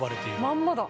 まんまだ。